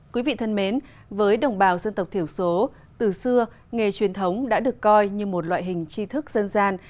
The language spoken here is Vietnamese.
quý vị thân mến với đồng bào dân tộc thiểu số từ xưa nghề truyền thống đã được coi như một loại hình chi thức dân gian